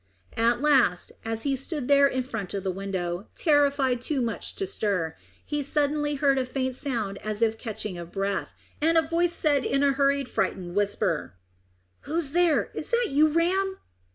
At last, as he stood there in front of the window, terrified too much to stir, he suddenly heard a faint sound as of catching breath, and a voice said in a hurried, frightened whisper, "Who's there? Is that you, Ram?"